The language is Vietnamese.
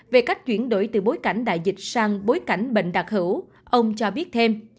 về cách chuyển đổi từ bối cảnh đại dịch sang bối cảnh bệnh đặc hữu ông cho biết thêm